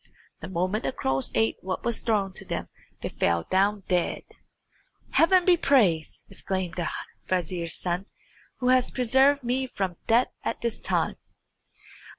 The moment the crows ate what was thrown to them they fell down dead. "Heaven be praised," exclaimed the vizier's son, "who has preserved me from death at this time!"